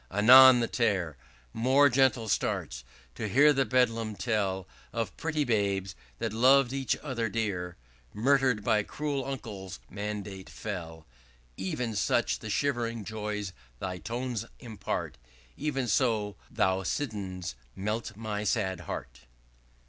Anon the tear More gentle starts, to hear the beldame tell Of pretty babes, that lov'd each other dear, Murder'd by cruel uncle's mandate fell: Ev'n such the shiv'ring joys thy tones impart, Ev'n so, thou, Siddons, meltest my sad heart."